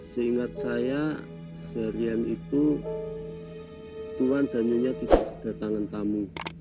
seingat saya seharian itu tuan dan nyonya tidak ada tangan tamu